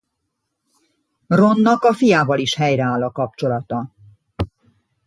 Ronnak a fiával is helyreáll a kapcsolata.